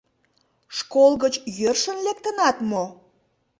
Школ гыч йӧршын лектынат мо?